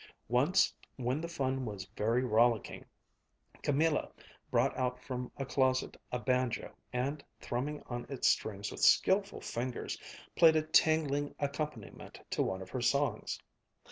Once when the fun was very rollicking, Camilla brought out from a closet a banjo and, thrumming on its strings with skilful fingers, played a tingling accompaniment to one of her songs.